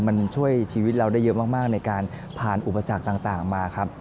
มันช่วยชีวิตเราได้เยอะมากในการผ่านอุปสรรคต่างมาครับ